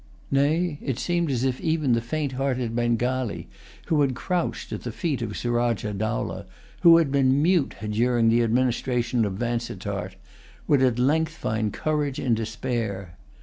Nay, it seemed as if even the faint hearted Bengalee, who had crouched at the feet of Surajah Dowlah, who had been mute during the administration of Vansittart, would at length find courage in despair.